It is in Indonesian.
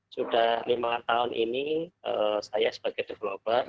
sudah lima tahun ini saya sebagai developer